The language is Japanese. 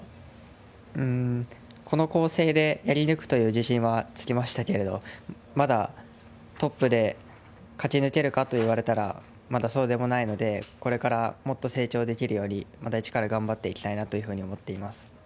この構成でやり抜くという自信はつきましたけれどもまだトップで駆け抜けるかといわれたらまだ、そうでもないのでこれからもっと成長できるようにまた１から頑張っていきたいなというふうに思っています。